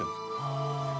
「ああ」